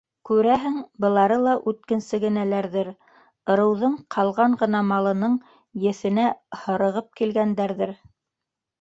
Күрәһең, былары ла үткенсе генәләрҙер, ырыуҙың ҡалған ғына малының еҫенә һырығып килгәндәрҙер.